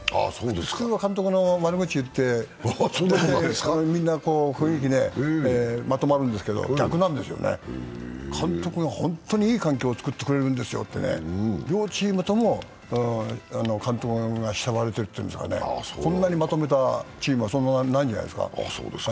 普通は監督の悪口言って、みんな雰囲気でまとまるんですけど、逆なんですよね、監督が本当にいい環境を作ってくれるんですよと、両チームとも監督が慕われているというんですかね、こんなにまとめたチームはそんなにないんじゃないですか。